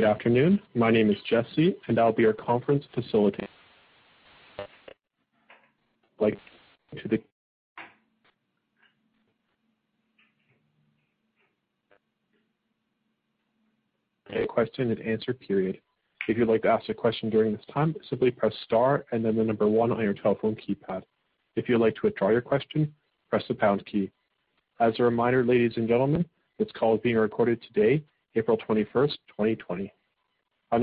Good afternoon. My name is Jesse, and I'll be your conference facilitator. A question-and-answer period. If you'd like to ask a question during this time, simply press star and then the number one on your telephone keypad. If you'd like to withdraw your question, press the pound key. As a reminder, ladies and gentlemen, this call is being recorded today, April 21st, 2020. I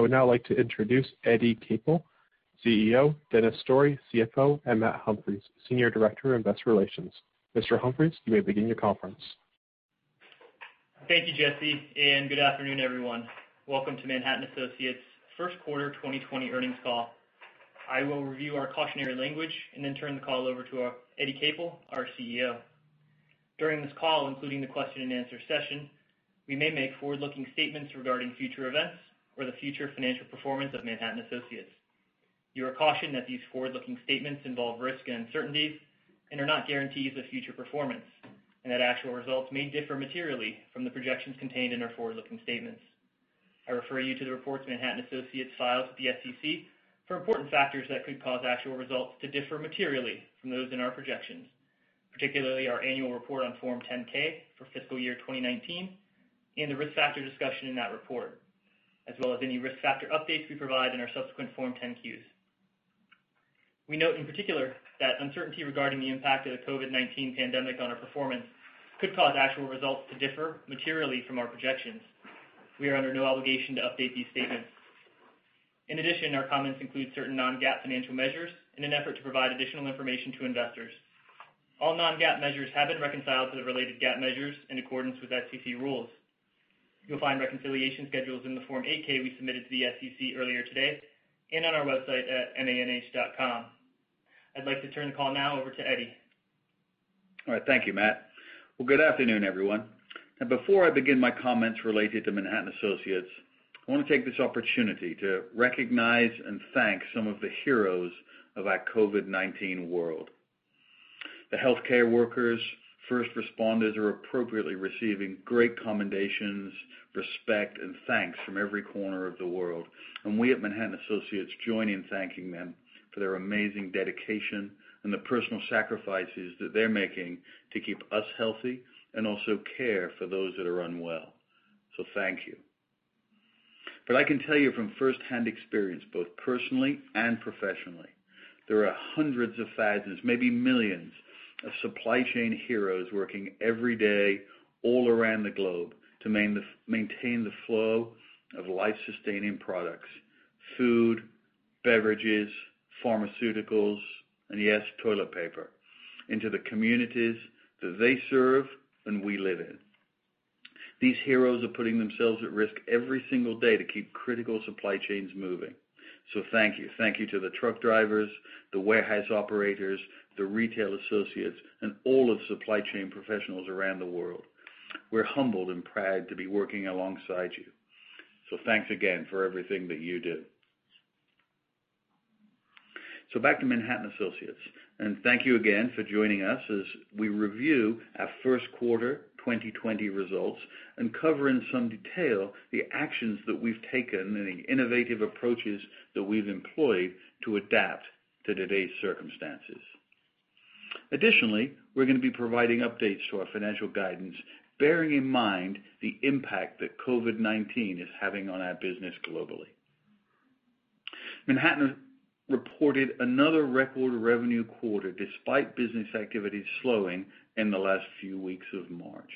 would now like to introduce Eddie Capel, CEO; Dennis Story, CFO; and Matt Humphries, Senior Director of Investor Relations. Mr. Humphries, you may begin your conference. Thank you, Jesse, and good afternoon, everyone. Welcome to Manhattan Associates' First Quarter 2020 Earnings Call. I will review our cautionary language and then turn the call over to Eddie Capel, our CEO. During this call, including the question-and-answer session, we may make forward-looking statements regarding future events or the future financial performance of Manhattan Associates. You are cautioned that these forward-looking statements involve risk and uncertainties and are not guarantees of future performance, and that actual results may differ materially from the projections contained in our forward-looking statements. I refer you to the reports Manhattan Associates files with the SEC for important factors that could cause actual results to differ materially from those in our projections, particularly our annual report on Form 10-K for fiscal year 2019 and the risk factor discussion in that report, as well as any risk factor updates we provide in our subsequent Form 10-Qs. We note in particular that uncertainty regarding the impact of the COVID-19 pandemic on our performance could cause actual results to differ materially from our projections. We are under no obligation to update these statements. In addition, our comments include certain non-GAAP financial measures in an effort to provide additional information to investors. All non-GAAP measures have been reconciled to the related GAAP measures in accordance with SEC rules. You'll find reconciliation schedules in the Form 8-K we submitted to the SEC earlier today and on our website at manh.com. I'd like to turn the call now over to Eddie. All right. Thank you, Matt. Well, good afternoon, everyone. Now, before I begin my comments related to Manhattan Associates, I want to take this opportunity to recognize and thank some of the heroes of our COVID-19 world. The healthcare workers, first responders, are appropriately receiving great commendations, respect, and thanks from every corner of the world, and we at Manhattan Associates join in thanking them for their amazing dedication and the personal sacrifices that they're making to keep us healthy and also care for those that are unwell. So thank you. But I can tell you from firsthand experience, both personally and professionally, there are hundreds of thousands, maybe millions, of supply chain heroes working every day all around the globe to maintain the flow of life-sustaining products, food, beverages, pharmaceuticals, and yes, toilet paper, into the communities that they serve and we live in. These heroes are putting themselves at risk every single day to keep critical supply chains moving. So thank you. Thank you to the truck drivers, the warehouse operators, the retail associates, and all of the supply chain professionals around the world. We're humbled and proud to be working alongside you. So thanks again for everything that you do. So back to Manhattan Associates, and thank you again for joining us as we review our first quarter 2020 results and cover in some detail the actions that we've taken and the innovative approaches that we've employed to adapt to today's circumstances. Additionally, we're going to be providing updates to our financial guidance, bearing in mind the impact that COVID-19 is having on our business globally. Manhattan reported another record revenue quarter despite business activity slowing in the last few weeks of March.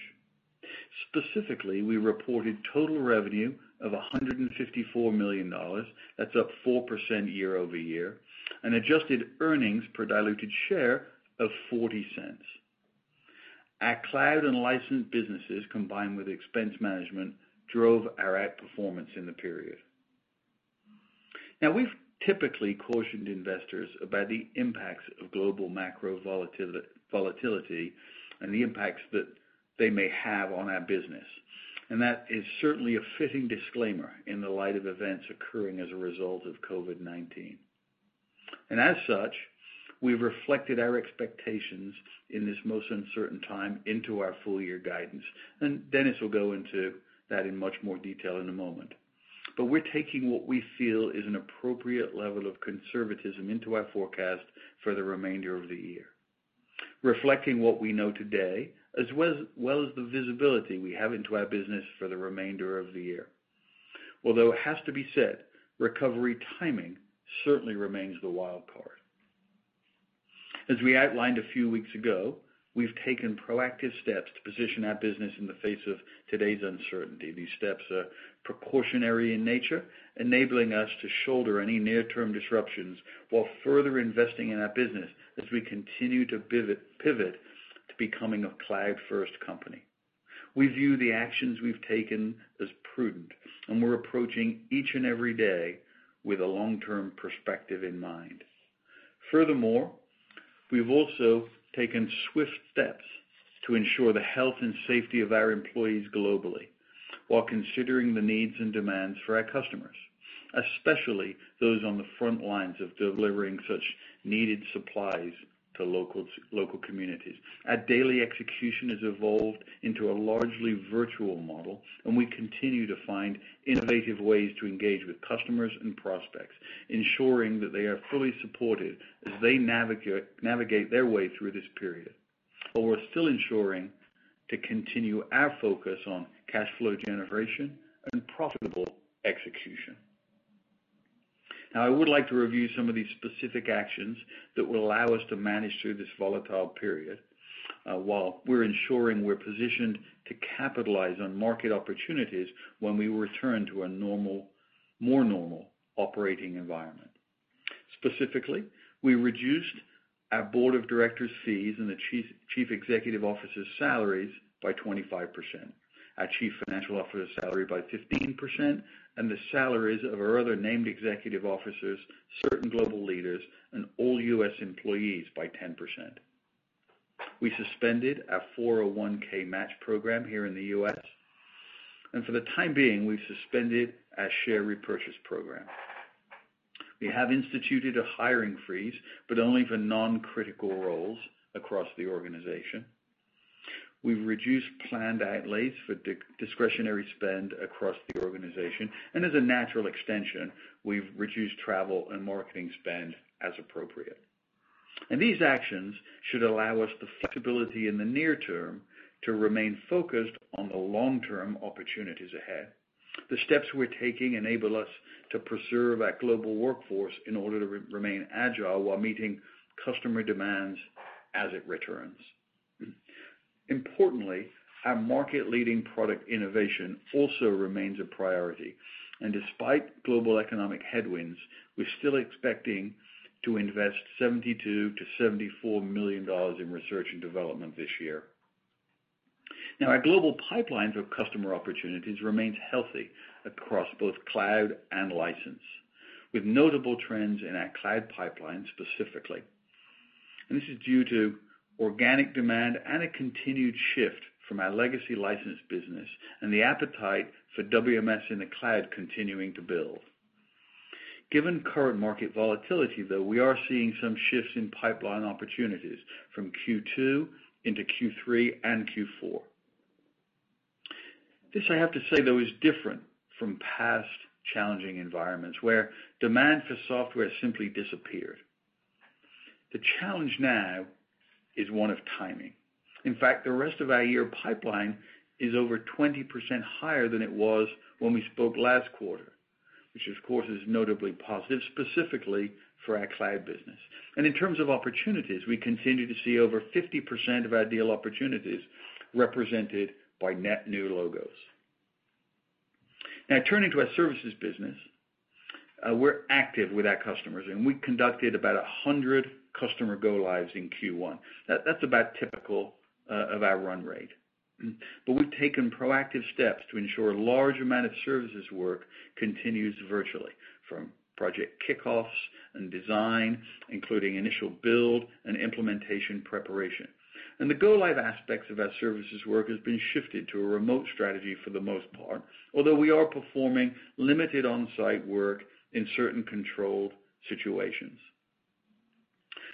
Specifically, we reported total revenue of $154 million. That's up 4% year over year, and adjusted earnings per diluted share of $0.40. Our cloud and licensed businesses, combined with expense management, drove our outperformance in the period. Now, we've typically cautioned investors about the impacts of global macro volatility and the impacts that they may have on our business, and that is certainly a fitting disclaimer in the light of events occurring as a result of COVID-19, and as such, we've reflected our expectations in this most uncertain time into our full-year guidance, and Dennis will go into that in much more detail in a moment, but we're taking what we feel is an appropriate level of conservatism into our forecast for the remainder of the year, reflecting what we know today as well as the visibility we have into our business for the remainder of the year. Although it has to be said, recovery timing certainly remains the wild card. As we outlined a few weeks ago, we've taken proactive steps to position our business in the face of today's uncertainty. These steps are precautionary in nature, enabling us to shoulder any near-term disruptions while further investing in our business as we continue to pivot to becoming a cloud-first company. We view the actions we've taken as prudent, and we're approaching each and every day with a long-term perspective in mind. Furthermore, we've also taken swift steps to ensure the health and safety of our employees globally while considering the needs and demands for our customers, especially those on the front lines of delivering such needed supplies to local communities. Our daily execution has evolved into a largely virtual model, and we continue to find innovative ways to engage with customers and prospects, ensuring that they are fully supported as they navigate their way through this period. But we're still ensuring to continue our focus on cash flow generation and profitable execution. Now, I would like to review some of these specific actions that will allow us to manage through this volatile period while we're ensuring we're positioned to capitalize on market opportunities when we return to a more normal operating environment. Specifically, we reduced our Board of Directors' fees and the Chief Executive Officer's salaries by 25%, our Chief Financial Officer's salary by 15%, and the salaries of our other named executive officers, certain global leaders, and all US employees by 10%. We suspended our 401(k) match program here in the U.S., and for the time being, we've suspended our share repurchase program. We have instituted a hiring freeze, but only for non-critical roles across the organization. We've reduced planned outlays for discretionary spend across the organization, and as a natural extension, we've reduced travel and marketing spend as appropriate, and these actions should allow us the flexibility in the near term to remain focused on the long-term opportunities ahead. The steps we're taking enable us to preserve our global workforce in order to remain agile while meeting customer demands as it returns. Importantly, our market-leading product innovation also remains a priority, and despite global economic headwinds, we're still expecting to invest $72-$74 million in research and development this year. Now, our global pipeline for customer opportunities remains healthy across both cloud and license, with notable trends in our cloud pipeline specifically. And this is due to organic demand and a continued shift from our legacy license business and the appetite for WMS in the cloud continuing to build. Given current market volatility, though, we are seeing some shifts in pipeline opportunities from Q2 into Q3 and Q4. This, I have to say, though, is different from past challenging environments where demand for software simply disappeared. The challenge now is one of timing. In fact, the rest of our year pipeline is over 20% higher than it was when we spoke last quarter, which, of course, is notably positive, specifically for our cloud business. And in terms of opportunities, we continue to see over 50% of our deal opportunities represented by net new logos. Now, turning to our services business, we're active with our customers, and we conducted about 100 customer go-lives in Q1. That's about typical of our run rate. But we've taken proactive steps to ensure a large amount of services work continues virtually from project kickoffs and design, including initial build and implementation preparation. And the go-live aspects of our services work have been shifted to a remote strategy for the most part, although we are performing limited on-site work in certain controlled situations.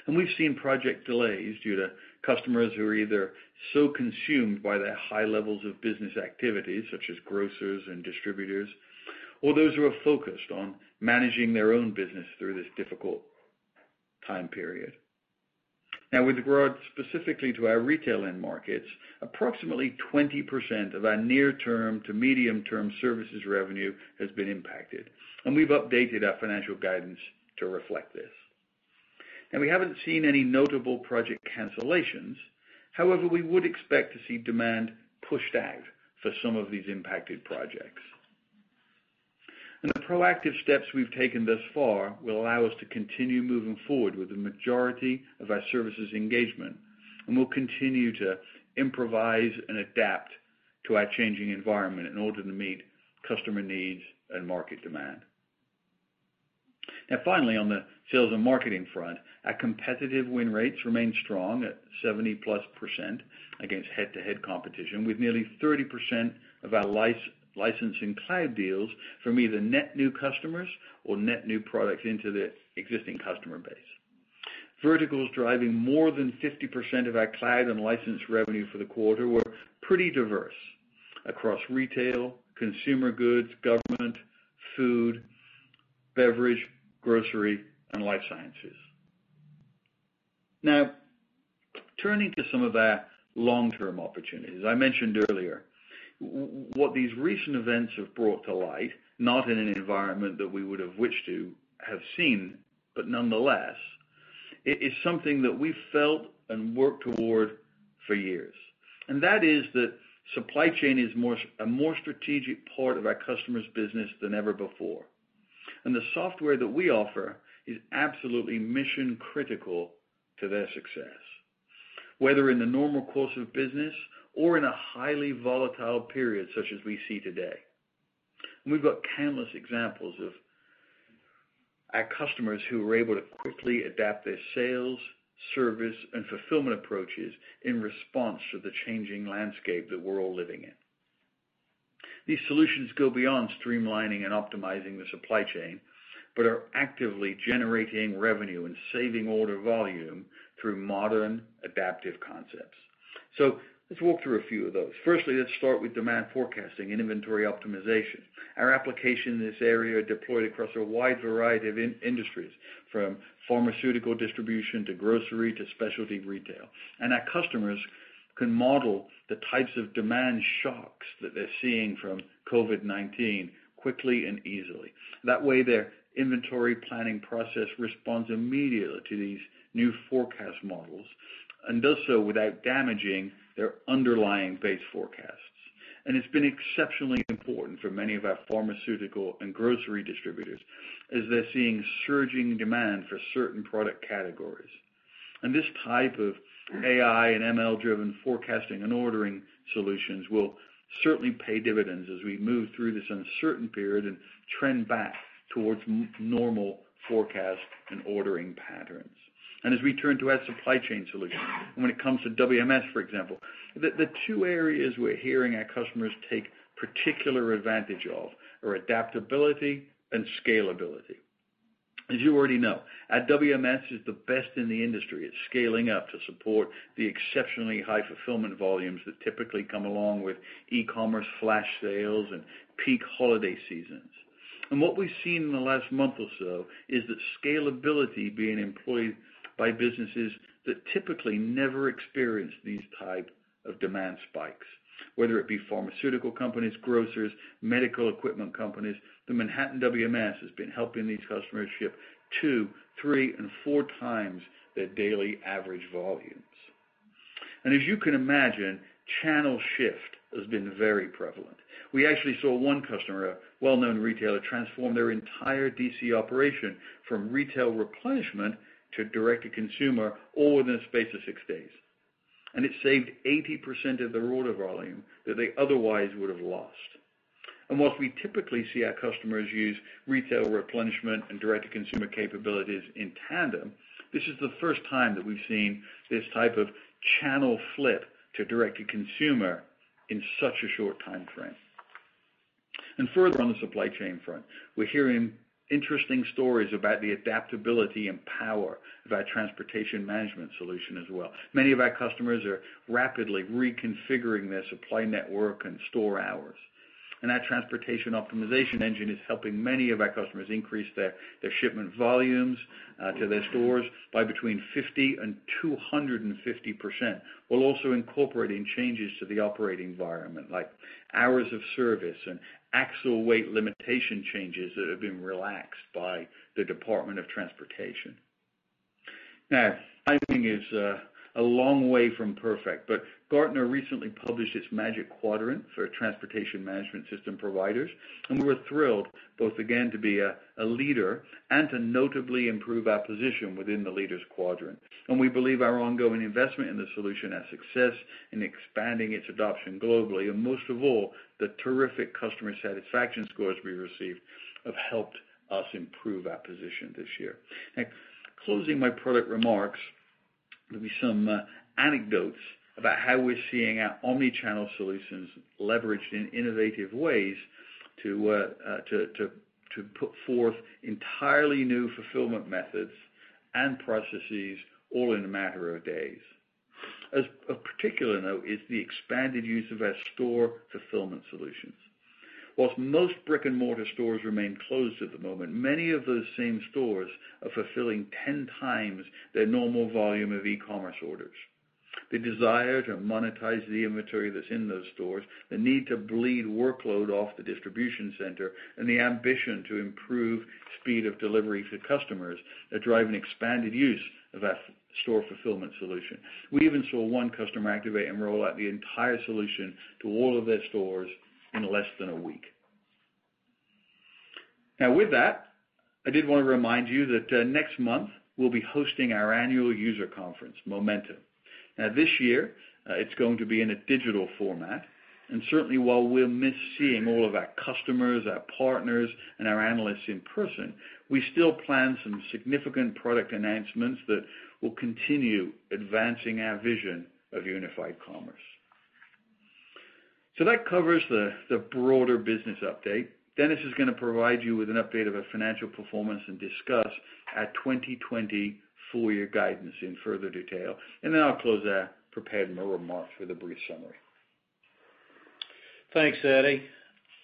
And we've seen project delays due to customers who are either so consumed by their high levels of business activity, such as grocers and distributors, or those who are focused on managing their own business through this difficult time period. Now, with regard specifically to our retail end markets, approximately 20% of our near-term to medium-term services revenue has been impacted, and we've updated our financial guidance to reflect this. Now, we haven't seen any notable project cancellations, however, we would expect to see demand pushed out for some of these impacted projects. And the proactive steps we've taken thus far will allow us to continue moving forward with the majority of our services engagement, and we'll continue to improvise and adapt to our changing environment in order to meet customer needs and market demand. Now, finally, on the sales and marketing front, our competitive win rates remain strong at 70-plus% against head-to-head competition, with nearly 30% of our licensing cloud deals from either net new customers or net new products into the existing customer base. Verticals driving more than 50% of our cloud and license revenue for the quarter were pretty diverse across retail, consumer goods, government, food, beverage, grocery, and life sciences. Now, turning to some of our long-term opportunities, I mentioned earlier what these recent events have brought to light, not in an environment that we would have wished to have seen, but nonetheless, it is something that we've felt and worked toward for years, and that is that supply chain is a more strategic part of our customer's business than ever before, and the software that we offer is absolutely mission-critical to their success, whether in the normal course of business or in a highly volatile period such as we see today. And we've got countless examples of our customers who were able to quickly adapt their sales, service, and fulfillment approaches in response to the changing landscape that we're all living in. These solutions go beyond streamlining and optimizing the supply chain but are actively generating revenue and saving order volume through modern adaptive concepts. So let's walk through a few of those. Firstly, let's start with demand forecasting and inventory optimization. Our applications in this area are deployed across a wide variety of industries, from pharmaceutical distribution to grocery to specialty retail. And our customers can model the types of demand shocks that they're seeing from COVID-19 quickly and easily. That way, their inventory planning process responds immediately to these new forecast models and does so without damaging their underlying base forecasts. And it's been exceptionally important for many of our pharmaceutical and grocery distributors as they're seeing surging demand for certain product categories. And this type of AI and ML-driven forecasting and ordering solutions will certainly pay dividends as we move through this uncertain period and trend back towards normal forecast and ordering patterns. And as we turn to our supply chain solutions, when it comes to WMS, for example, the two areas we're hearing our customers take particular advantage of are adaptability and scalability. As you already know, our WMS is the best in the industry at scaling up to support the exceptionally high fulfillment volumes that typically come along with e-commerce flash sales and peak holiday seasons. What we've seen in the last month or so is that scalability is being employed by businesses that typically never experience these types of demand spikes, whether it be pharmaceutical companies, grocers, medical equipment companies. The Manhattan WMS has been helping these customers ship two, three, and four times their daily average volumes. As you can imagine, channel shift has been very prevalent. We actually saw one customer, a well-known retailer, transform their entire DC operation from retail replenishment to direct-to-consumer all within the space of six days. It saved 80% of their order volume that they otherwise would have lost. While we typically see our customers use retail replenishment and direct-to-consumer capabilities in tandem, this is the first time that we've seen this type of channel flip to direct-to-consumer in such a short time frame. Further on the supply chain front, we're hearing interesting stories about the adaptability and power of our transportation management solution as well. Many of our customers are rapidly reconfiguring their supply network and store hours. Our transportation optimization engine is helping many of our customers increase their shipment volumes to their stores by between 50% and 250% while also incorporating changes to the operating environment, like hours of service and axle weight limitation changes that have been relaxed by the Department of Transportation. Now, timing is a long way from perfect, but Gartner recently published its Magic Quadrant for transportation management system providers, and we were thrilled, both again to be a leader and to notably improve our position within the leaders' quadrant. And we believe our ongoing investment in the solution has success in expanding its adoption globally, and most of all, the terrific customer satisfaction scores we received have helped us improve our position this year. Closing my product remarks, there'll be some anecdotes about how we're seeing our omnichannel solutions leveraged in innovative ways to put forth entirely new fulfillment methods and processes all in a matter of days. A particular note is the expanded use of our store fulfillment solutions. While most brick-and-mortar stores remain closed at the moment, many of those same stores are fulfilling 10 times their normal volume of e-commerce orders. The desire to monetize the inventory that's in those stores, the need to bleed workload off the distribution center, and the ambition to improve speed of delivery to customers are driving expanded use of our store fulfillment solution. We even saw one customer activate and roll out the entire solution to all of their stores in less than a week. Now, with that, I did want to remind you that next month we'll be hosting our annual user conference, Momentum. Now, this year, it's going to be in a digital format, and certainly, while we're missing all of our customers, our partners, and our analysts in person, we still plan some significant product announcements that will continue advancing our vision of unified commerce, so that covers the broader business update. Dennis is going to provide you with an update of our financial performance and discuss our 2020 full-year guidance in further detail, and then I'll close our prepared remarks with a brief summary. Thanks, Eddie.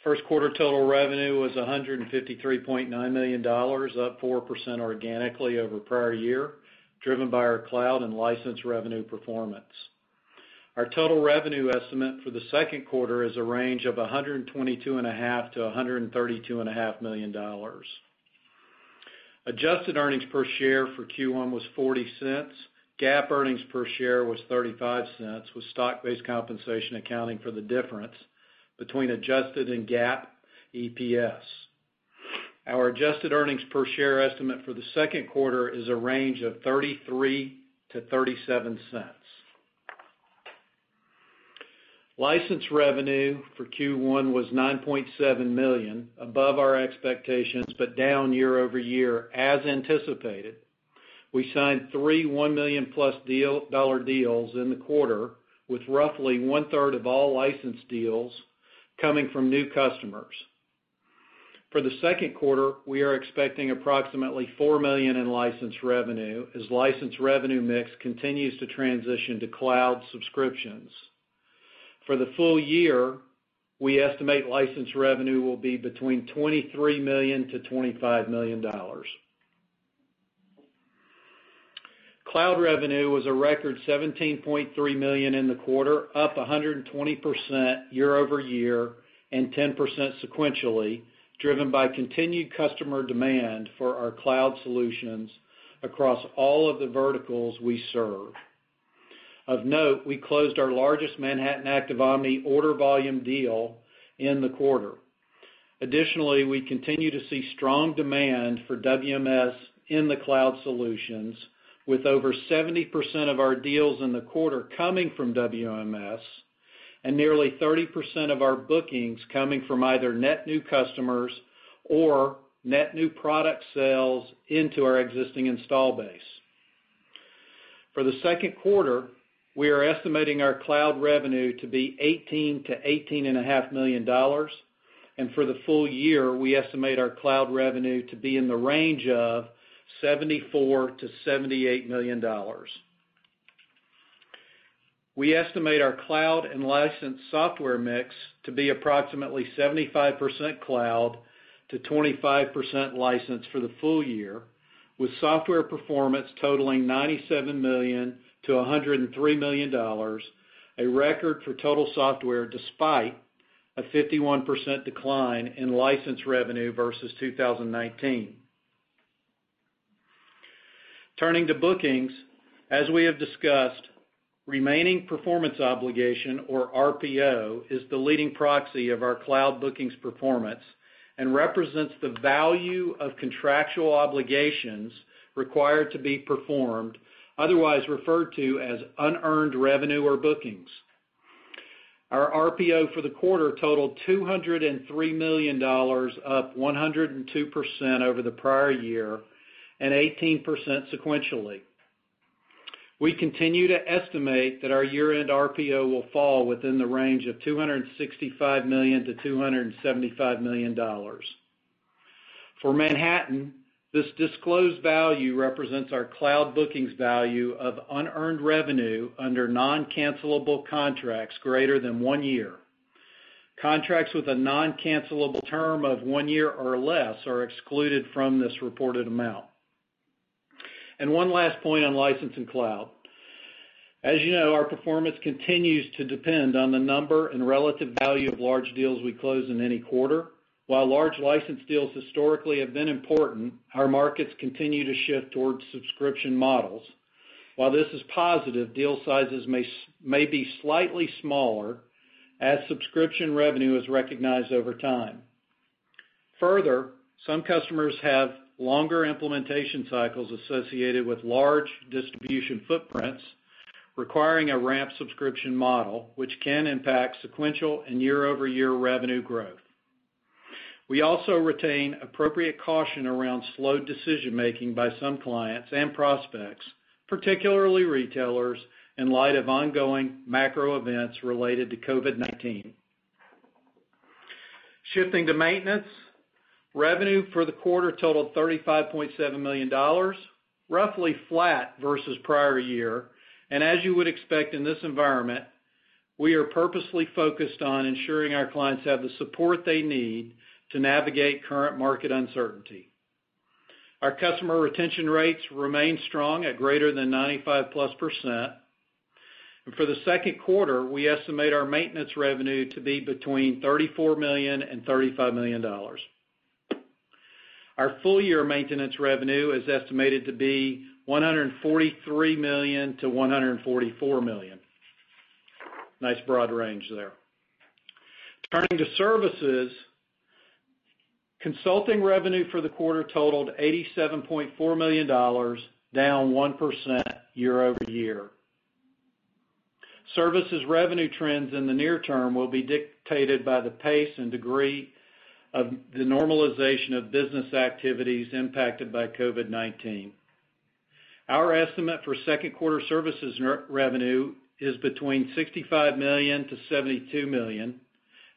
First quarter total revenue was $153.9 million, up 4% organically over prior year, driven by our cloud and license revenue performance. Our total revenue estimate for the second quarter is a range of $122.5-$132.5 million. Adjusted earnings per share for Q1 was $0.40. GAAP earnings per share was $0.35, with stock-based compensation accounting for the difference between adjusted and GAAP EPS. Our adjusted earnings per share estimate for the second quarter is a range of 33-37 cents. License revenue for Q1 was $9.7 million, above our expectations but down year over year, as anticipated. We signed three $1 million-plus deals in the quarter, with roughly one-third of all license deals coming from new customers. For the second quarter, we are expecting approximately $4 million in license revenue as license revenue mix continues to transition to cloud subscriptions. For the full year, we estimate license revenue will be between $23-$25 million. Cloud revenue was a record $17.3 million in the quarter, up 120% year over year and 10% sequentially, driven by continued customer demand for our cloud solutions across all of the verticals we serve. Of note, we closed our largest Manhattan Active Omni order volume deal in the quarter. Additionally, we continue to see strong demand for WMS in the cloud solutions, with over 70% of our deals in the quarter coming from WMS and nearly 30% of our bookings coming from either net new customers or net new product sales into our existing install base. For the second quarter, we are estimating our cloud revenue to be $18-$18.5 million, and for the full year, we estimate our cloud revenue to be in the range of $74-$78 million. We estimate our cloud and license software mix to be approximately 75% cloud to 25% license for the full year, with software performance totaling $97 million-$103 million, a record for total software despite a 51% decline in license revenue versus 2019. Turning to bookings, as we have discussed, remaining performance obligation, or RPO, is the leading proxy of our cloud bookings performance and represents the value of contractual obligations required to be performed, otherwise referred to as unearned revenue or bookings. Our RPO for the quarter totaled $203 million, up 102% over the prior year and 18% sequentially. We continue to estimate that our year-end RPO will fall within the range of $265 million-$275 million. For Manhattan, this disclosed value represents our cloud bookings value of unearned revenue under non-cancelable contracts greater than one year. Contracts with a non-cancelable term of one year or less are excluded from this reported amount, and one last point on license and cloud. As you know, our performance continues to depend on the number and relative value of large deals we close in any quarter. While large license deals historically have been important, our markets continue to shift towards subscription models. While this is positive, deal sizes may be slightly smaller as subscription revenue is recognized over time. Further, some customers have longer implementation cycles associated with large distribution footprints requiring a ramped subscription model, which can impact sequential and year-over-year revenue growth. We also retain appropriate caution around slow decision-making by some clients and prospects, particularly retailers, in light of ongoing macro events related to COVID-19. Shifting to maintenance, revenue for the quarter totaled $35.7 million, roughly flat versus prior year. As you would expect in this environment, we are purposely focused on ensuring our clients have the support they need to navigate current market uncertainty. Our customer retention rates remain strong at greater than 95-plus%. And for the second quarter, we estimate our maintenance revenue to be between $34 million and $35 million. Our full-year maintenance revenue is estimated to be $143 million to $144 million. Nice broad range there. Turning to services, consulting revenue for the quarter totaled $87.4 million, down 1% year over year. Services revenue trends in the near term will be dictated by the pace and degree of the normalization of business activities impacted by COVID-19. Our estimate for second-quarter services revenue is between $65 million to $72 million.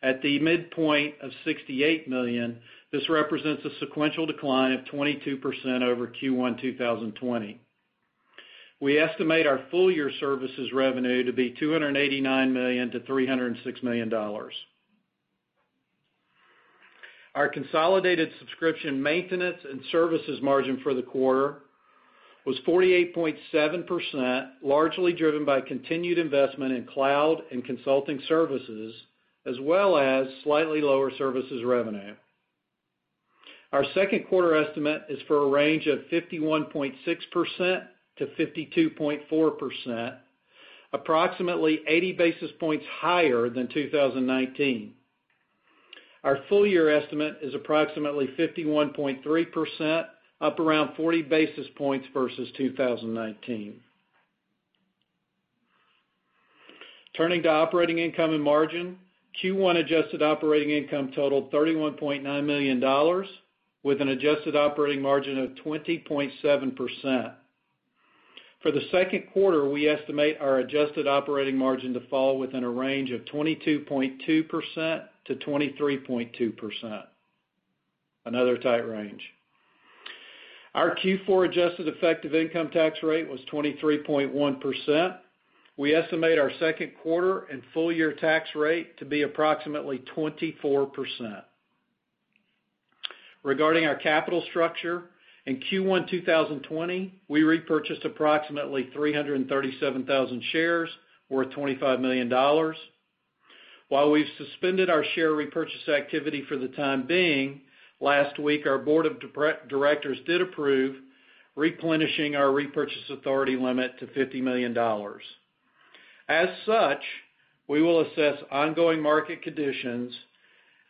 At the midpoint of $68 million, this represents a sequential decline of 22% over Q1 2020. We estimate our full-year services revenue to be $289 million-$306 million. Our consolidated subscription maintenance and services margin for the quarter was 48.7%, largely driven by continued investment in cloud and consulting services, as well as slightly lower services revenue. Our second-quarter estimate is for a range of 51.6% to 52.4%, approximately 80 basis points higher than 2019. Our full-year estimate is approximately 51.3%, up around 40 basis points versus 2019. Turning to operating income and margin, Q1 adjusted operating income totaled $31.9 million, with an adjusted operating margin of 20.7%. For the second quarter, we estimate our adjusted operating margin to fall within a range of 22.2% to 23.2%, another tight range. Our Q4 adjusted effective income tax rate was 23.1%. We estimate our second quarter and full-year tax rate to be approximately 24%. Regarding our capital structure, in Q1 2020, we repurchased approximately 337,000 shares, worth $25 million. While we've suspended our share repurchase activity for the time being, last week, our board of directors did approve replenishing our repurchase authority limit to $50 million. As such, we will assess ongoing market conditions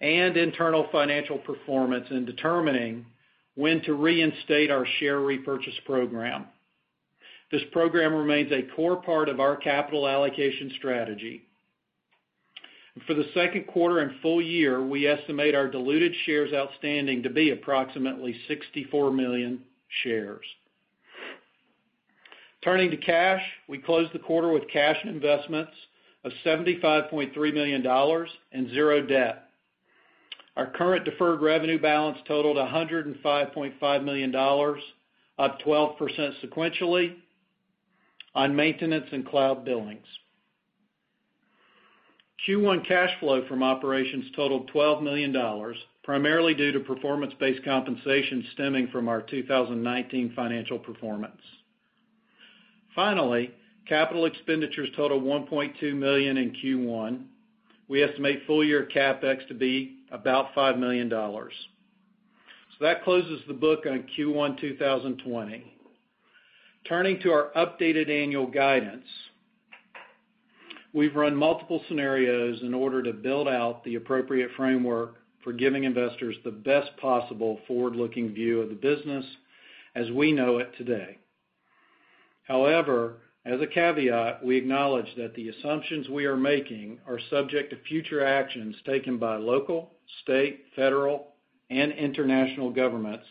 and internal financial performance in determining when to reinstate our share repurchase program. This program remains a core part of our capital allocation strategy. For the second quarter and full year, we estimate our diluted shares outstanding to be approximately 64 million shares. Turning to cash, we closed the quarter with cash investments of $75.3 million and zero debt. Our current deferred revenue balance totaled $105.5 million, up 12% sequentially on maintenance and cloud billings. Q1 cash flow from operations totaled $12 million, primarily due to performance-based compensation stemming from our 2019 financial performance. Finally, capital expenditures totaled $1.2 million in Q1. We estimate full-year CapEx to be about $5 million. So that closes the book on Q1 2020. Turning to our updated annual guidance, we've run multiple scenarios in order to build out the appropriate framework for giving investors the best possible forward-looking view of the business as we know it today. However, as a caveat, we acknowledge that the assumptions we are making are subject to future actions taken by local, state, federal, and international governments,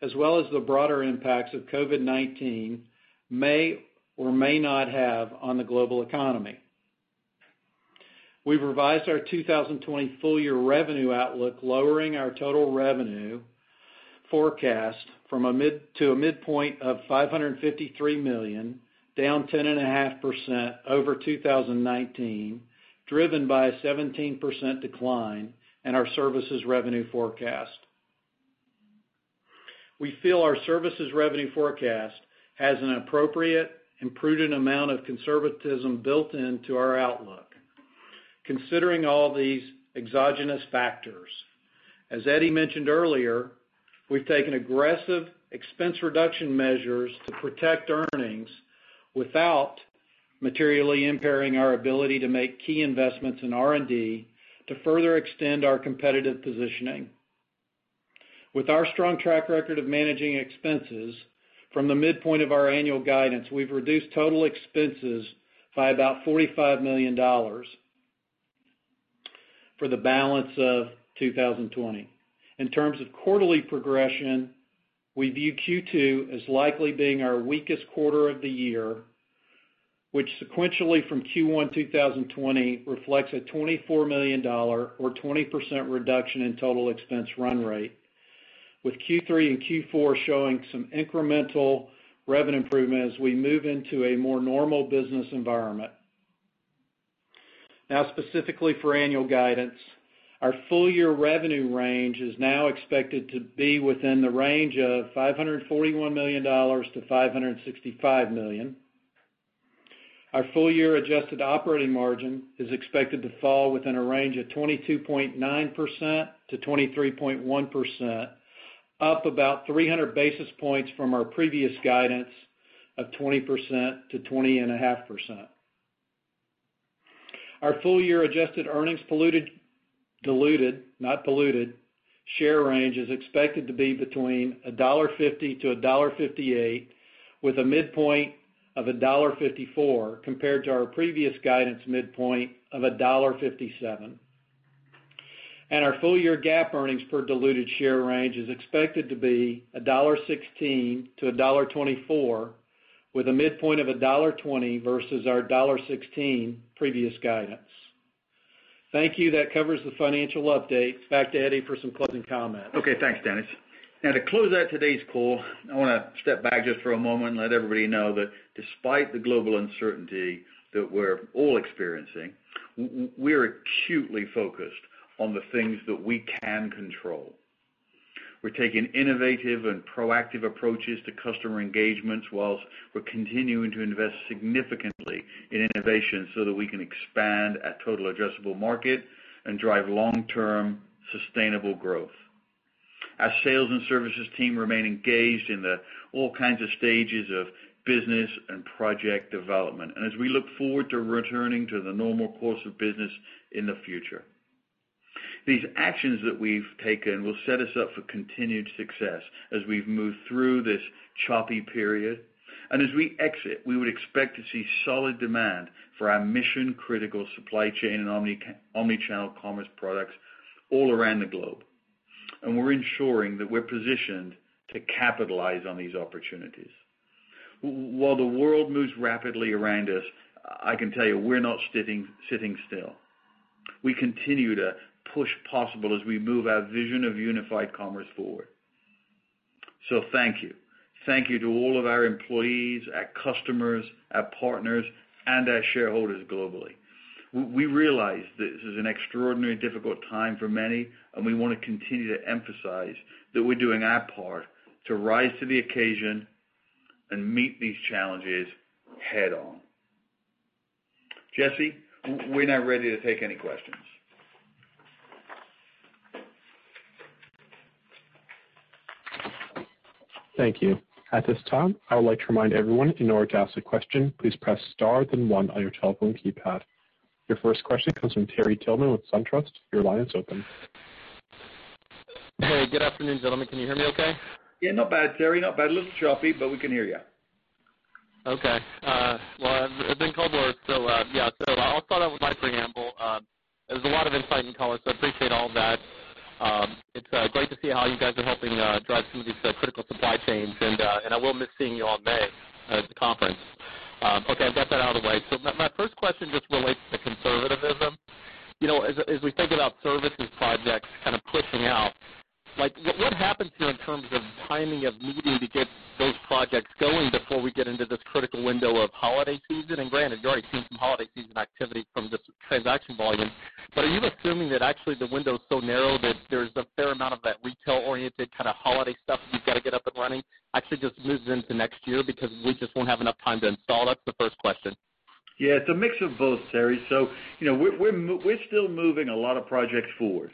as well as the broader impacts of COVID-19 may or may not have on the global economy. We've revised our 2020 full-year revenue outlook, lowering our total revenue forecast from a midpoint of $553 million, down 10.5% over 2019, driven by a 17% decline in our services revenue forecast. We feel our services revenue forecast has an appropriate and prudent amount of conservatism built into our outlook. Considering all these exogenous factors, as Eddie mentioned earlier, we've taken aggressive expense reduction measures to protect earnings without materially impairing our ability to make key investments in R&D to further extend our competitive positioning. With our strong track record of managing expenses from the midpoint of our annual guidance, we've reduced total expenses by about $45 million for the balance of 2020. In terms of quarterly progression, we view Q2 as likely being our weakest quarter of the year, which sequentially from Q1 2020 reflects a $24 million, or 20% reduction in total expense run rate, with Q3 and Q4 showing some incremental revenue improvement as we move into a more normal business environment. Now, specifically for annual guidance, our full-year revenue range is now expected to be within the range of $541 million-$565 million. Our full-year adjusted operating margin is expected to fall within a range of 22.9%-23.1%, up about 300 basis points from our previous guidance of 20%-20.5%. Our full-year adjusted earnings per diluted share range is expected to be between $1.50-$1.58, with a midpoint of $1.54 compared to our previous guidance midpoint of $1.57. Our full-year GAAP earnings per diluted share range is expected to be $1.16-$1.24, with a midpoint of $1.20 versus our $1.16 previous guidance. Thank you. That covers the financial update. Back to Eddie for some closing comments. Okay. Thanks, Dennis. Now, to close out today's call, I want to step back just for a moment and let everybody know that despite the global uncertainty that we're all experiencing, we are acutely focused on the things that we can control. We're taking innovative and proactive approaches to customer engagements whilst we're continuing to invest significantly in innovation so that we can expand our total addressable market and drive long-term sustainable growth. Our sales and services team remain engaged in all kinds of stages of business and project development, and as we look forward to returning to the normal course of business in the future, these actions that we've taken will set us up for continued success as we've moved through this choppy period, and as we exit, we would expect to see solid demand for our mission-critical supply chain and omnichannel commerce products all around the globe. We're ensuring that we're positioned to capitalize on these opportunities. While the world moves rapidly around us, I can tell you we're not sitting still. We continue to push possible as we move our vision of unified commerce forward. Thank you. Thank you to all of our employees, our customers, our partners, and our shareholders globally. We realize this is an extraordinarily difficult time for many, and we want to continue to emphasize that we're doing our part to rise to the occasion and meet these challenges head-on. Jesse, we're now ready to take any questions. Thank you. At this time, I would like to remind everyone in order to ask a question, please press star then one on your telephone keypad. Your first question comes from Terry Tillman with SunTrust. Your line is open. Hey, good afternoon, gentlemen. Can you hear me okay? Yeah, not bad, Terry. Not bad. A little choppy, but we can hear you. Okay. Well, I've been cold, so yeah. So I'll start out with my preamble. There's a lot of insight in color, so I appreciate all of that. It's great to see how you guys are helping drive some of these critical supply chains, and I will miss seeing you all in May at the conference. Okay. I've got that out of the way. So my first question just relates to conservatism. As we think about services projects kind of pushing out, what happens here in terms of timing of meeting to get those projects going before we get into this critical window of holiday season? Granted, you already seen some holiday season activity from this transaction volume, but are you assuming that actually the window is so narrow that there's a fair amount of that retail-oriented kind of holiday stuff you've got to get up and running actually just moves into next year because we just won't have enough time to install? That's the first question. Yeah. It's a mix of both, Terry. So we're still moving a lot of projects forward.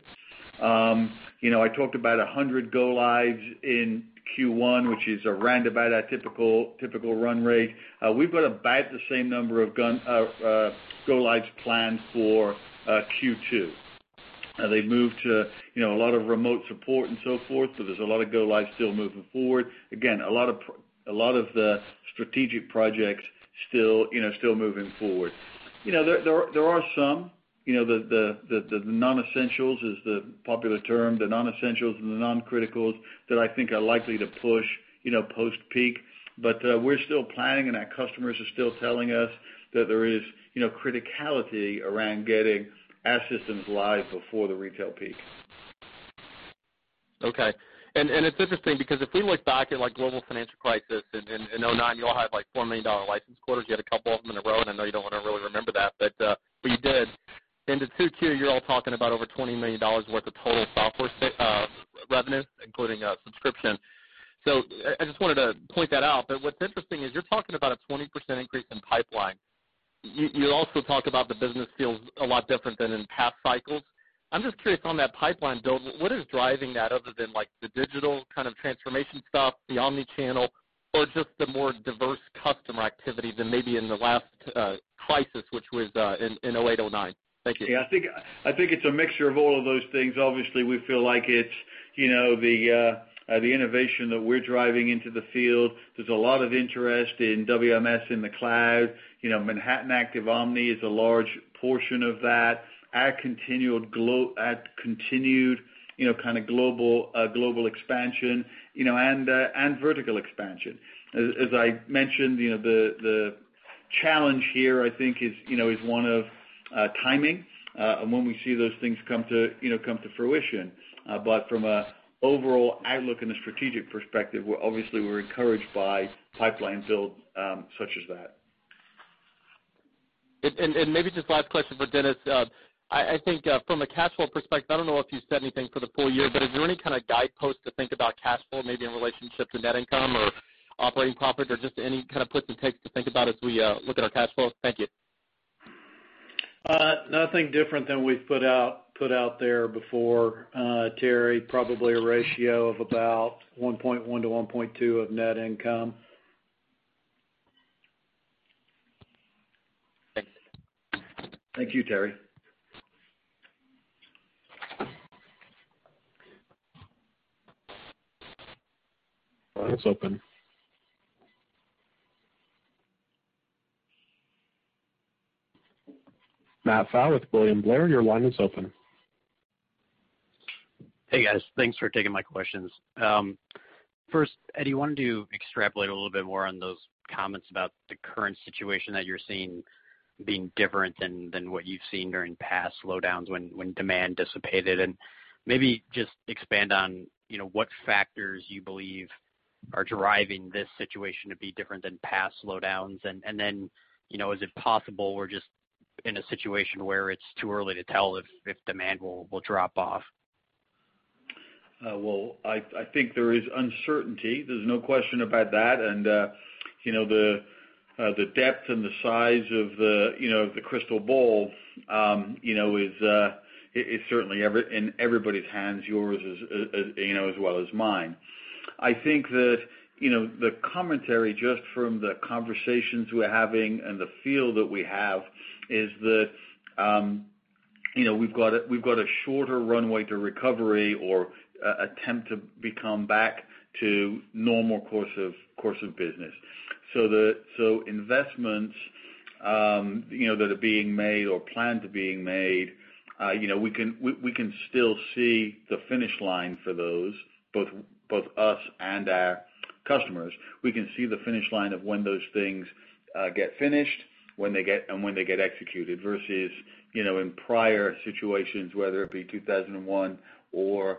I talked about 100 go-lives in Q1, which is around about our typical run rate. We've got about the same number of go-lives planned for Q2. They've moved to a lot of remote support and so forth, but there's a lot of go-lives still moving forward. Again, a lot of the strategic projects still moving forward. There are some. The non-essentials is the popular term, the non-essentials and the non-criticals that I think are likely to push post-peak. But we're still planning, and our customers are still telling us that there is criticality around getting our systems live before the retail peak. Okay. And it's interesting because if we look back at global financial crisis in 2009, you all had $4 million license quarters. You had a couple of them in a row, and I know you don't want to really remember that, but you did. And in Q2, you're all talking about over $20 million worth of total software revenue, including subscription. So I just wanted to point that out. But what's interesting is you're talking about a 20% increase in pipeline. You also talk about the business feels a lot different than in past cycles. I'm just curious on that pipeline build, what is driving that other than the digital kind of transformation stuff, the omnichannel, or just the more diverse customer activity than maybe in the last crisis, which was in 2008, 2009? Thank you. Yeah. I think it's a mixture of all of those things. Obviously, we feel like it's the innovation that we're driving into the field. There's a lot of interest in WMS in the cloud. Manhattan Active Omni is a large portion of that. Our continued kind of global expansion and vertical expansion. As I mentioned, the challenge here, I think, is one of timing and when we see those things come to fruition. But from an overall outlook and a strategic perspective, obviously, we're encouraged by pipeline builds such as that. Maybe just last question for Dennis. I think from a cash flow perspective, I don't know if you said anything for the full year, but is there any kind of guidepost to think about cash flow, maybe in relationship to net income or operating profit or just any kind of puts and takes to think about as we look at our cash flow? Thank you. Nothing different than we've put out there before, Terry. Probably a ratio of about 1.1 to 1.2 of net income. Thanks. Thank you, Terry. Line is open. Matt Pfau with William Blair, your line is open. Hey, guys. Thanks for taking my questions. First, Eddie, I wanted to extrapolate a little bit more on those comments about the current situation that you're seeing being different than what you've seen during past slowdowns when demand dissipated. And maybe just expand on what factors you believe are driving this situation to be different than past slowdowns. And then, is it possible we're just in a situation where it's too early to tell if demand will drop off? I think there is uncertainty. There's no question about that. The depth and the size of the crystal ball is certainly in everybody's hands, yours as well as mine. I think that the commentary just from the conversations we're having and the feel that we have is that we've got a shorter runway to recovery or attempt to come back to normal course of business. Investments that are being made or plans are being made, we can still see the finish line for those, both us and our customers. We can see the finish line of when those things get finished and when they get executed versus in prior situations, whether it be 2001 or 2008,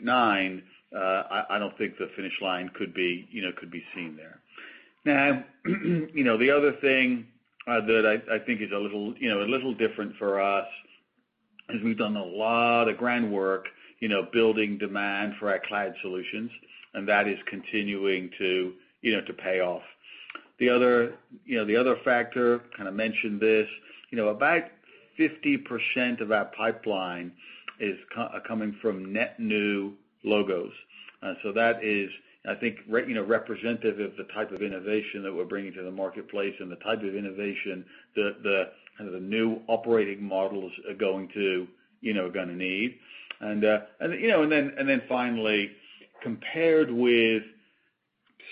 2009, I don't think the finish line could be seen there. Now, the other thing that I think is a little different for us is we've done a lot of groundwork building demand for our cloud solutions, and that is continuing to pay off. The other factor, kind of mentioned this, about 50% of our pipeline is coming from net new logos. So that is, I think, representative of the type of innovation that we're bringing to the marketplace and the type of innovation that the new operating models are going to need. And then finally, compared with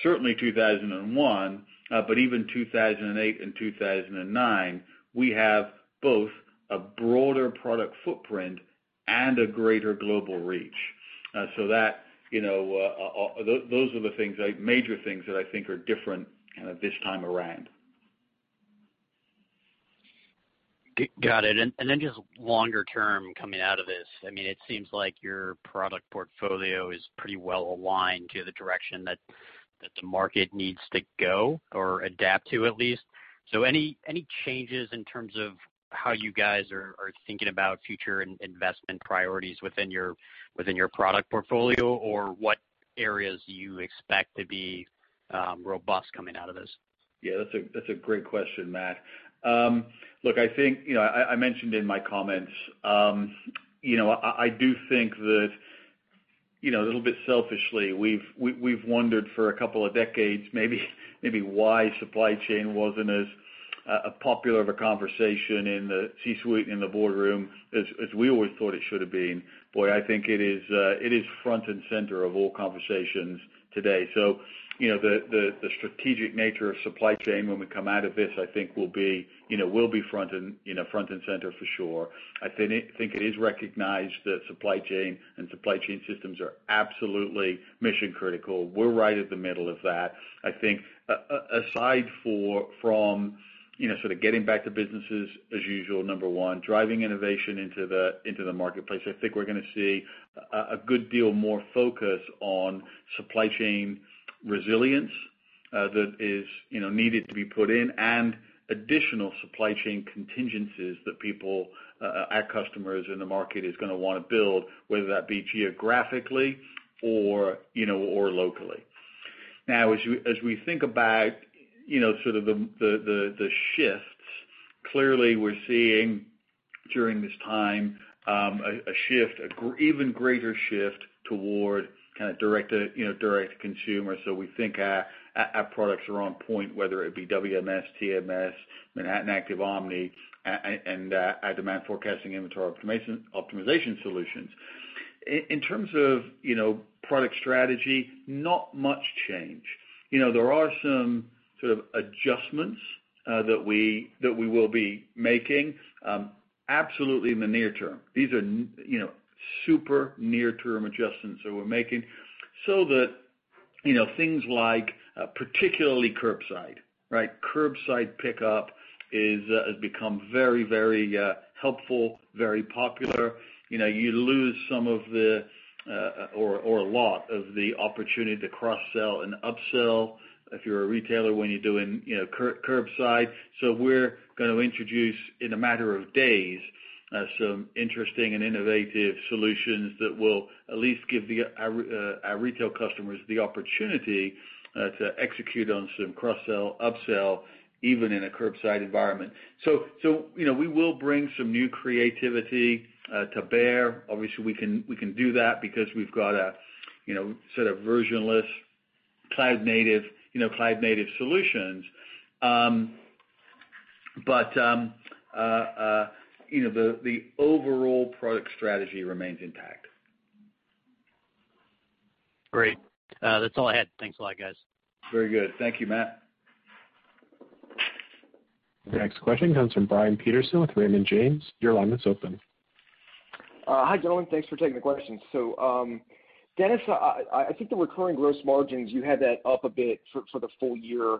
certainly 2001, but even 2008 and 2009, we have both a broader product footprint and a greater global reach. So those are the major things that I think are different kind of this time around. Got it. And then just longer term coming out of this, I mean, it seems like your product portfolio is pretty well aligned to the direction that the market needs to go or adapt to, at least. So any changes in terms of how you guys are thinking about future investment priorities within your product portfolio, or what areas do you expect to be robust coming out of this? Yeah. That's a great question, Matt. Look, I think I mentioned in my comments, I do think that a little bit selfishly, we've wondered for a couple of decades maybe why supply chain wasn't as popular of a conversation in the C-suite and the boardroom as we always thought it should have been. Boy, I think it is front and center of all conversations today. So the strategic nature of supply chain when we come out of this, I think, will be front and center for sure. I think it is recognized that supply chain and supply chain systems are absolutely mission-critical. We're right at the middle of that. I think aside from sort of getting back to businesses as usual, number one, driving innovation into the marketplace, I think we're going to see a good deal more focus on supply chain resilience that is needed to be put in and additional supply chain contingencies that our customers in the market are going to want to build, whether that be geographically or locally. Now, as we think about sort of the shifts, clearly, we're seeing during this time a shift, an even greater shift toward kind of direct-to-consumer. So we think our products are on point, whether it be WMS, TMS, Manhattan Active Omni, and our demand forecasting inventory optimization solutions. In terms of product strategy, not much change. There are some sort of adjustments that we will be making, absolutely in the near term. These are super near-term adjustments that we're making so that things like particularly curbside, right? Curbside pickup has become very, very helpful. Very popular. You lose some of the or a lot of the opportunity to cross-sell and upsell if you're a retailer when you're doing curbside. So we're going to introduce in a matter of days some interesting and innovative solutions that will at least give our retail customers the opportunity to execute on some cross-sell, upsell, even in a curbside environment. So we will bring some new creativity to bear. Obviously, we can do that because we've got a sort of versionless cloud-native solutions. But the overall product strategy remains intact. Great. That's all I had. Thanks a lot, guys. Very good. Thank you, Matt. Next question comes from Brian Peterson with Raymond James. Your line is open. Hi, gentlemen. Thanks for taking the question. So Dennis, I think the recurring gross margins, you had that up a bit for the full year.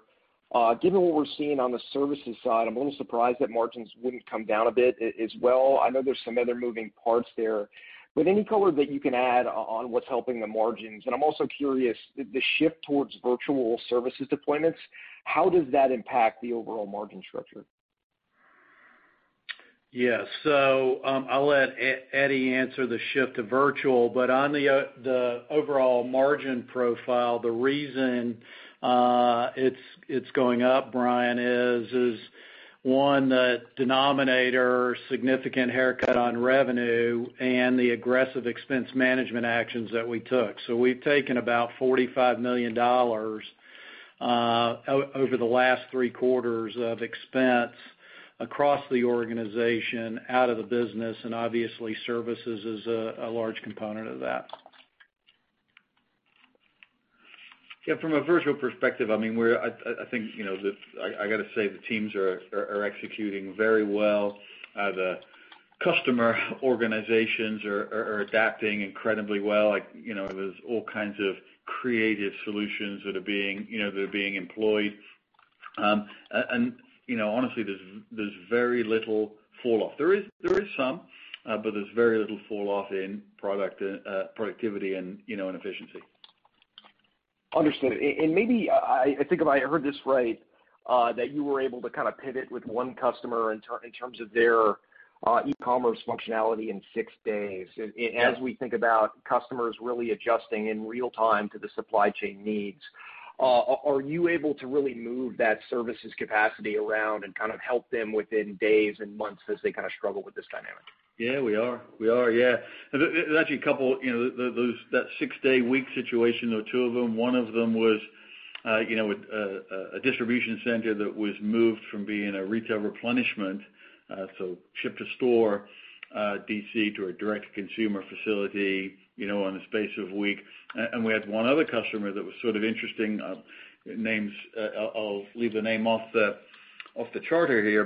Given what we're seeing on the services side, I'm a little surprised that margins wouldn't come down a bit as well. I know there's some other moving parts there. But any color that you can add on what's helping the margins? And I'm also curious, the shift towards virtual services deployments, how does that impact the overall margin structure? Yeah. So I'll let Eddie answer the shift to virtual. But on the overall margin profile, the reason it's going up, Brian, is, one, the denominator, significant haircut on revenue, and the aggressive expense management actions that we took. So we've taken about $45 million over the last three quarters of expense across the organization, out of the business, and obviously, services is a large component of that. Yeah. From a virtual perspective, I mean, I think I got to say the teams are executing very well. The customer organizations are adapting incredibly well. There's all kinds of creative solutions that are being employed. And honestly, there's very little falloff. There is some, but there's very little falloff in productivity and efficiency. Understood. And maybe I think if I heard this right, that you were able to kind of pivot with one customer in terms of their e-commerce functionality in six days. And as we think about customers really adjusting in real time to the supply chain needs, are you able to really move that services capacity around and kind of help them within days and months as they kind of struggle with this dynamic? Yeah, we are. We are. Yeah. There's actually a couple of that six-day-week situation. There were two of them. One of them was a distribution center that was moved from being a retail replenishment, so ship-to-store DC to a direct-to-consumer facility in the space of a week. And we had one other customer that was sort of interesting. I'll leave the name off the record here,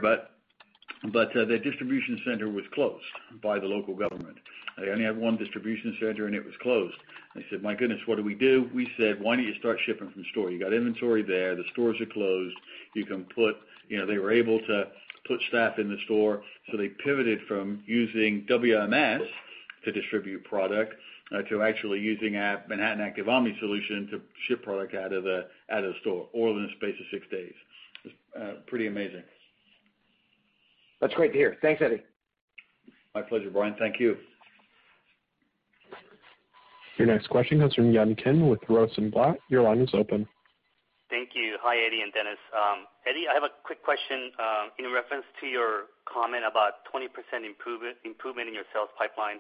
but their distribution center was closed by the local government. They only had one distribution center, and it was closed. They said, "My goodness, what do we do?" We said, "Why don't you start shipping from store? You got inventory there. The stores are closed. You can put" they were able to put staff in the store. So they pivoted from using WMS to distribute product to actually using our Manhattan Active Omni solution to ship product out of the store all in the space of six days. It's pretty amazing. That's great to hear. Thanks, Eddie. My pleasure, Brian. Thank you. Your next question comes from Yun Kim with Rosenblatt. Your line is open. Thank you. Hi, Eddie and Dennis. Eddie, I have a quick question in reference to your comment about 20% improvement in your sales pipeline.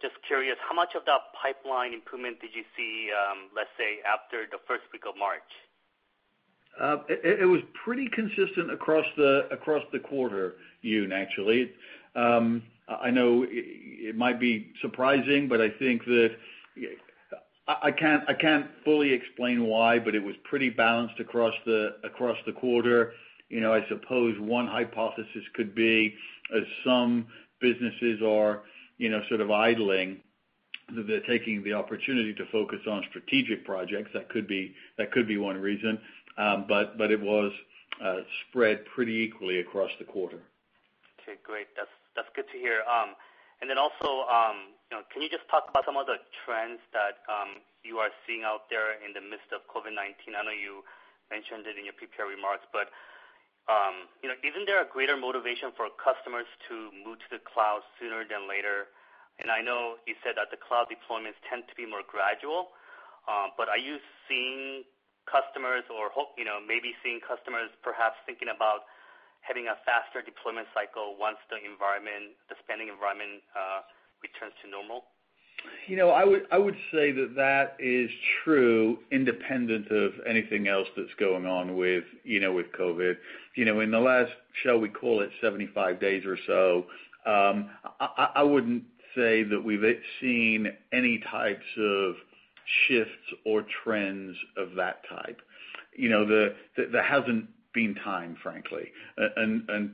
Just curious, how much of that pipeline improvement did you see, let's say, after the first week of March? It was pretty consistent across the quarter unit, actually. I know it might be surprising, but I think that I can't fully explain why, but it was pretty balanced across the quarter. I suppose one hypothesis could be as some businesses are sort of idling, that they're taking the opportunity to focus on strategic projects. That could be one reason, but it was spread pretty equally across the quarter. Okay. Great. That's good to hear. And then also, can you just talk about some of the trends that you are seeing out there in the midst of COVID-19? I know you mentioned it in your prepared remarks, but isn't there a greater motivation for customers to move to the cloud sooner than later? And I know you said that the cloud deployments tend to be more gradual. But are you seeing customers or maybe seeing customers perhaps thinking about having a faster deployment cycle once the spending environment returns to normal? I would say that that is true independent of anything else that's going on with COVID. In the last, shall we call it, 75 days or so, I wouldn't say that we've seen any types of shifts or trends of that type. There hasn't been time, frankly.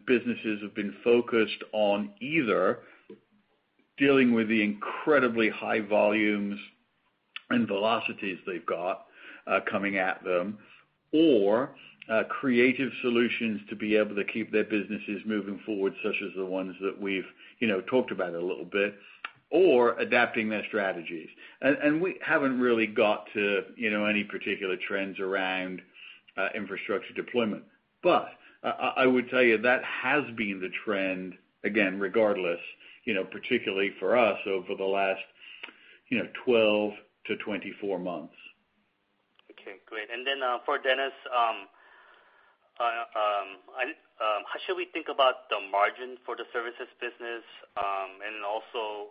Businesses have been focused on either dealing with the incredibly high volumes and velocities they've got coming at them or creative solutions to be able to keep their businesses moving forward, such as the ones that we've talked about a little bit, or adapting their strategies, and we haven't really got to any particular trends around infrastructure deployment, but I would tell you that has been the trend, again, regardless, particularly for us over the last 12 to 24 months. Okay. Great. And then for Dennis, how should we think about the margin for the services business? And also,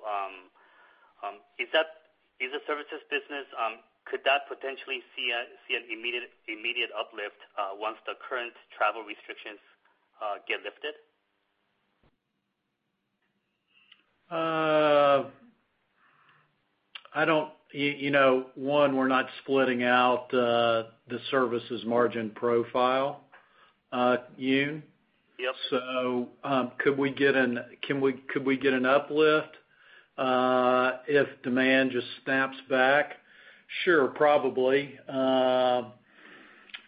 could that potentially see an immediate uplift once the current travel restrictions get lifted? I don't know. One, we're not splitting out the services margin profile unit. So could we get an uplift if demand just snaps back? Sure, probably. From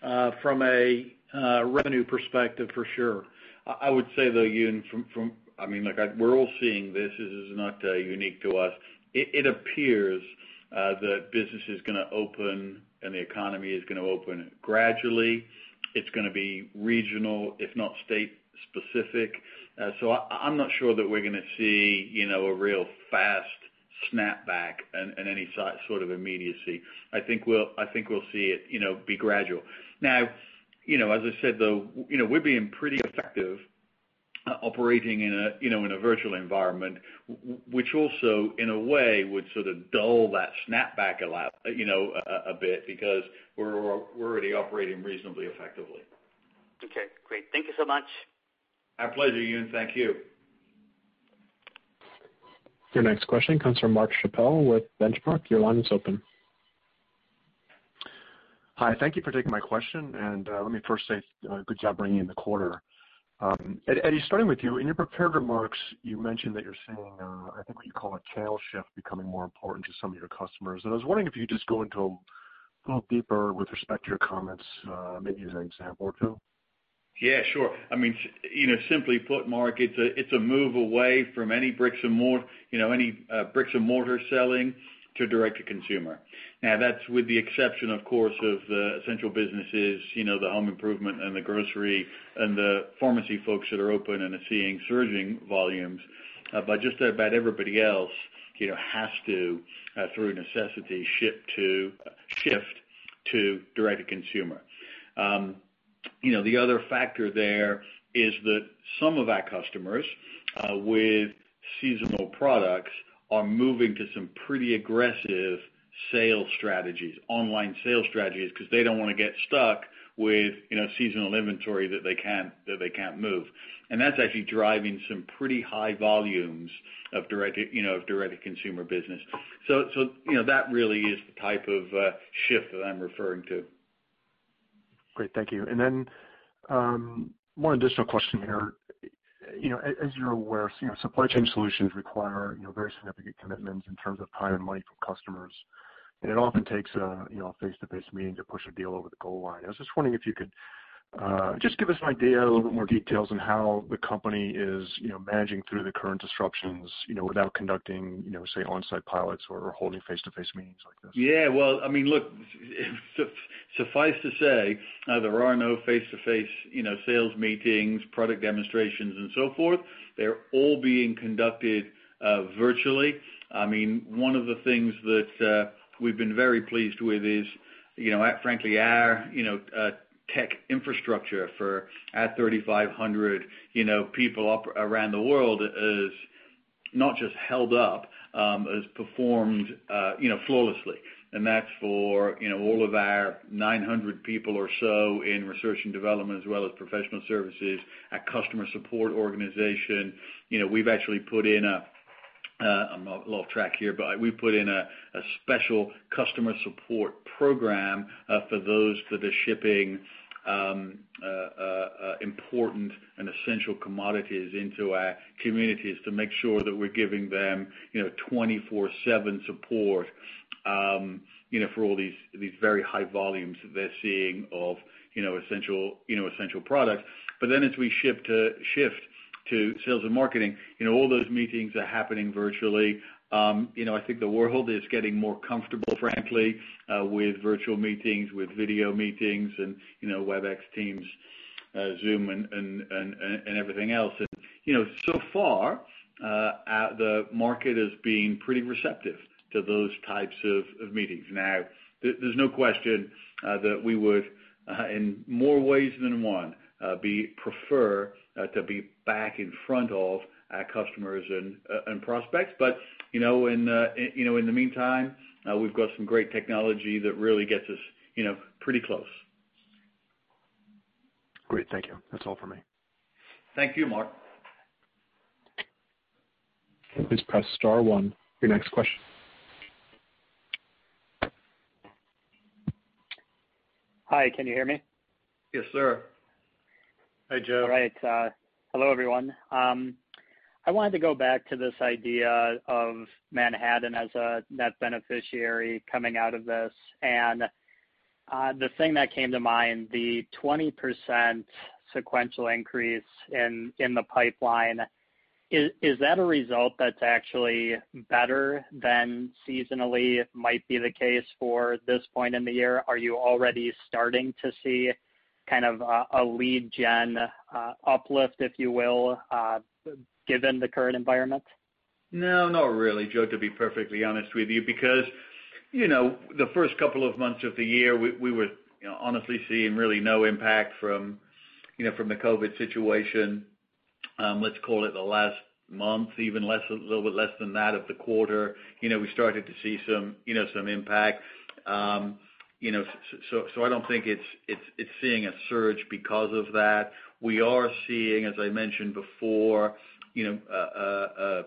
a revenue perspective, for sure. I would say, though, I mean, we're all seeing this. This is not unique to us. It appears that business is going to open and the economy is going to open gradually. It's going to be regional, if not state-specific. So I'm not sure that we're going to see a real fast snapback and any sort of immediacy. I think we'll see it be gradual. Now, as I said, though, we're being pretty effective operating in a virtual environment, which also, in a way, would sort of dull that snapback a bit because we're already operating reasonably effectively. Okay. Great. Thank you so much. Our pleasure, Yun. Thank you. Your next question comes from Mark Schappell with Benchmark. Your line is open. Hi. Thank you for taking my question. And let me first say good job bringing in the quarter. Eddie, starting with you, in your prepared remarks, you mentioned that you're seeing, I think, what you call a channel shift becoming more important to some of your customers. And I was wondering if you could just go into a little deeper with respect to your comments, maybe use an example or two. Yeah, sure. I mean, simply put, Mark, it's a move away from any bricks and mortar selling to direct-to-consumer. Now, that's with the exception, of course, of the essential businesses, the home improvement and the grocery and the pharmacy folks that are open and are seeing surging volumes. But just about everybody else has to, through necessity, shift to direct-to-consumer. The other factor there is that some of our customers with seasonal products are moving to some pretty aggressive sales strategies, online sales strategies, because they don't want to get stuck with seasonal inventory that they can't move. And that's actually driving some pretty high volumes of direct-to-consumer business. So that really is the type of shift that I'm referring to. Great. Thank you. And then one additional question here. As you're aware, supply chain solutions require very significant commitments in terms of time and money from customers. And it often takes a face-to-face meeting to push a deal over the goal line. I was just wondering if you could just give us an idea, a little bit more details on how the company is managing through the current disruptions without conducting, say, on-site pilots or holding face-to-face meetings like this. Yeah, well, I mean, look, suffice to say, there are no face-to-face sales meetings, product demonstrations, and so forth. They're all being conducted virtually. I mean, one of the things that we've been very pleased with is, frankly, our tech infrastructure for our 3,500 people around the world is not just held up, it's performed flawlessly, and that's for all of our 900 people or so in research and development as well as professional services, our customer support organization. We've actually put in a, I'm off track here, but we've put in a special customer support program for those that are shipping important and essential commodities into our communities to make sure that we're giving them 24/7 support for all these very high volumes that they're seeing of essential products, but then as we shift to sales and marketing, all those meetings are happening virtually. I think the world is getting more comfortable, frankly, with virtual meetings, with video meetings, and Webex Teams, Zoom, and everything else. And so far, the market has been pretty receptive to those types of meetings. Now, there's no question that we would, in more ways than one, prefer to be back in front of our customers and prospects. But in the meantime, we've got some great technology that really gets us pretty close. Great. Thank you. That's all for me. Thank you, Mark. Please press star one. Your next question. Hi. Can you hear me? Yes, sir. Hi, Joe. All right. Hello, everyone. I wanted to go back to this idea of Manhattan as a net beneficiary coming out of this. And the thing that came to mind, the 20% sequential increase in the pipeline, is that a result that's actually better than seasonally might be the case for this point in the year? Are you already starting to see kind of a lead-gen uplift, if you will, given the current environment? No, not really, Joe, to be perfectly honest with you, because the first couple of months of the year, we were honestly seeing really no impact from the COVID situation. Let's call it the last month, even a little bit less than that of the quarter, we started to see some impact. So I don't think it's seeing a surge because of that. We are seeing, as I mentioned before, a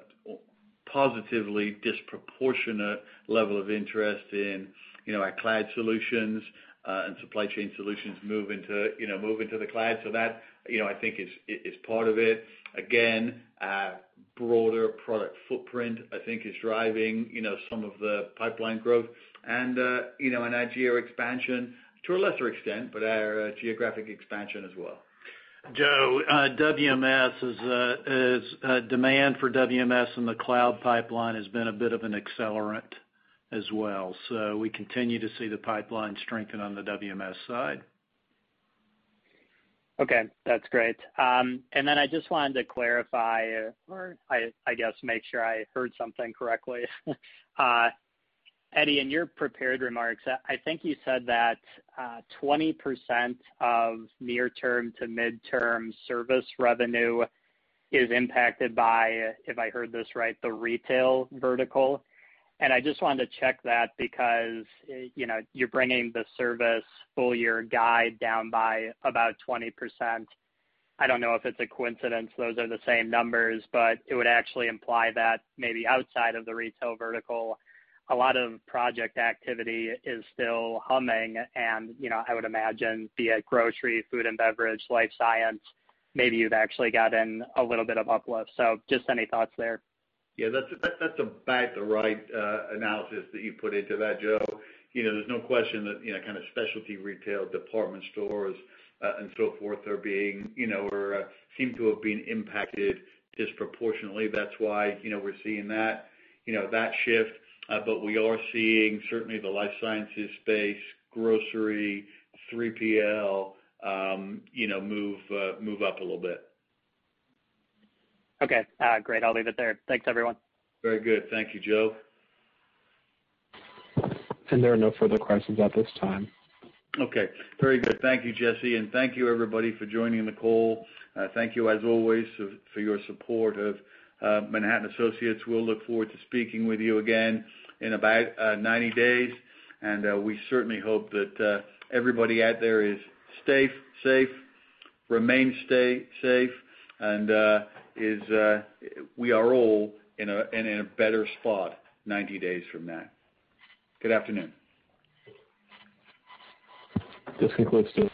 positively disproportionate level of interest in our cloud solutions and supply chain solutions moving to the cloud. So that, I think, is part of it. Again, our broader product footprint, I think, is driving some of the pipeline growth and our geo expansion to a lesser extent, but our geographic expansion as well. Joe, WMS is demand for WMS and the cloud pipeline has been a bit of an accelerant as well, so we continue to see the pipeline strengthen on the WMS side. Okay. That's great. And then I just wanted to clarify or, I guess, make sure I heard something correctly. Eddie, in your prepared remarks, I think you said that 20% of near-term to mid-term service revenue is impacted by, if I heard this right, the retail vertical. And I just wanted to check that because you're bringing the service full-year guide down by about 20%. I don't know if it's a coincidence. Those are the same numbers, but it would actually imply that maybe outside of the retail vertical, a lot of project activity is still humming. And I would imagine, be it grocery, food and beverage, life science, maybe you've actually gotten a little bit of uplift. So just any thoughts there? Yeah. That's about the right analysis that you put into that, Joe. There's no question that kind of specialty retail department stores and so forth are being or seem to have been impacted disproportionately. That's why we're seeing that shift. But we are seeing, certainly, the life sciences space, grocery, 3PL move up a little bit. Okay. Great. I'll leave it there. Thanks, everyone. Very good. Thank you, Joe. There are no further questions at this time. Okay. Very good. Thank you, Jesse. And thank you, everybody, for joining the call. Thank you, as always, for your support of Manhattan Associates. We'll look forward to speaking with you again in about 90 days. And we certainly hope that everybody out there is safe and remains safe, and we are all in a better spot 90 days from now. Good afternoon. This concludes today.